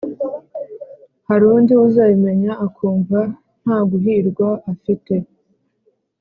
harundi uzabimenya akumva ntaguhirwa afite